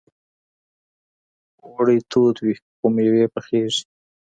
اوړی تود وي خو مېوې پخيږي.